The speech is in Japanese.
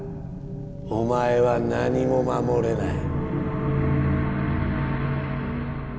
お前は何も守れない。